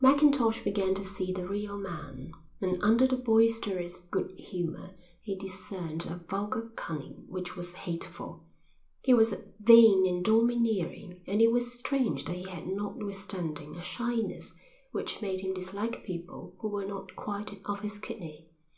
Mackintosh began to see the real man, and under the boisterous good humour he discerned a vulgar cunning which was hateful; he was vain and domineering, and it was strange that he had notwithstanding a shyness which made him dislike people who were not quite of his kidney.